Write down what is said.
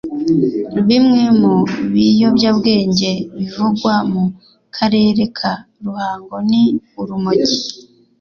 Bimwe mu biyobyabwenge bivugwa mu karere ka Ruhango ni urumogi